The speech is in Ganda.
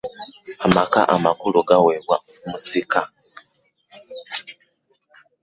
Amaka amakulu gaaweebwa musika.